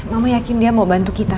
mama yakin dia mau bantu kita